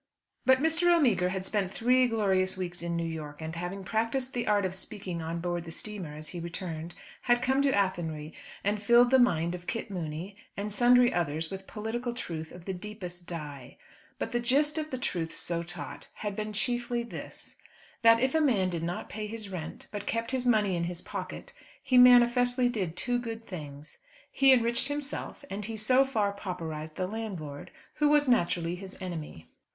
But Mr. O'Meagher had spent three glorious weeks in New York, and, having practised the art of speaking on board the steamer as he returned, had come to Athenry and filled the mind of Kit Mooney and sundry others with political truth of the deepest dye. But the gist of the truths so taught had been chiefly this: that if a man did not pay his rent, but kept his money in his pocket, he manifestly did two good things; he enriched himself, and he so far pauperised the landlord, who was naturally his enemy.